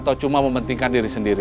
atau cuma mementingkan diri sendiri